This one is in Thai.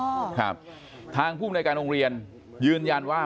ครับทางภูมิในการโรงเรียนยืนยันว่า